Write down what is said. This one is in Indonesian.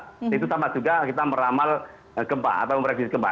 terutama juga kita meramal gempa atau meragis gempa